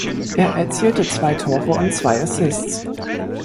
Er erzielte zwei Tore und zwei Assists.